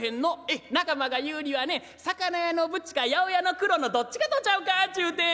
「ええ仲間が言うにはね魚屋のブチか八百屋のクロのどっちかとちゃうかっちゅうて」。